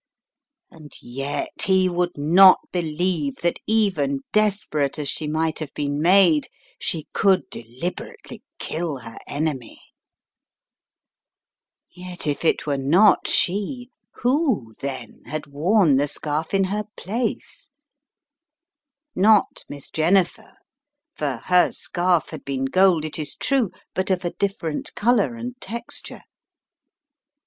And yet he would not believe that even desperate as she might have been made, she could deliberately kill her enemy. Yet if it were not she, who, then. 250 The Riddle of the Purple Emperor had worn the scarf in her place? Not Miss Jennifer, for her scarf had been gold, it is true, but of a different colour and texture.